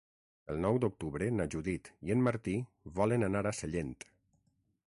El nou d'octubre na Judit i en Martí volen anar a Sellent.